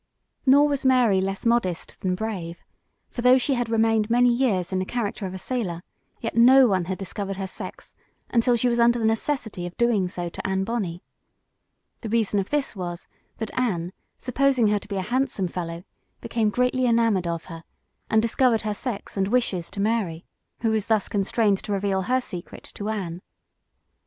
Nor was Mary less modest than brave; for though she had remained many years in the character of a sailor, yet no one had discovered her sex, until she was under the necessity of doing so to Anne Bonney. The reason of this was, that Anne, supposing her to be a handsome fellow, became greatly enamored of her, and discovered her sex and wishes to Mary, who was thus constrained to reveal her secret to Anne.